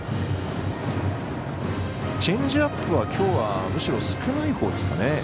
チェンジアップは、きょうはむしろ少ないほうですかね。